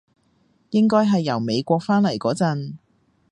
應該係由美國返嚟嗰陣